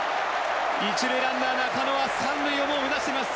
１塁ランナーは３塁まで目指しています。